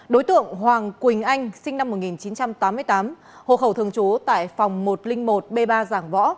đối tượng hoàng quỳnh anh sinh năm một nghìn chín trăm tám mươi tám hộ khẩu thường trú tại phòng một trăm linh một b ba giảng võ